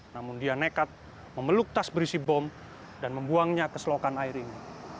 namun dia nekat memeluk tas berisi bom dan membuangnya ke selokan air ini